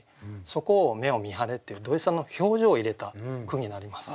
そこを「目を見張れ」っていう土井さんの表情を入れた句になります。